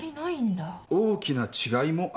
大きな違いもある。